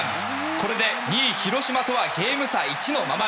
これで２位、広島とはゲーム差１のまま。